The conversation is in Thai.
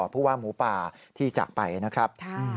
ผู้ว่าหมูป่าที่จากไปนะครับ